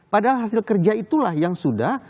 padahal hasil kerja itulah yang sudah